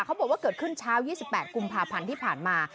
บอกว่าเกิดขึ้นเช้า๒๘กุมภาพันธ์ที่ผ่านมา